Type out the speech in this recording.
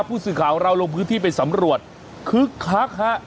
ผู้สื่อข่าวเราลงพื้นที่ไปสำรวจคึกคักฮะ